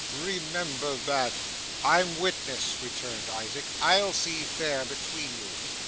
Remember that!' 'I'm witness,' returned Isaac. 'I'll see fair between you.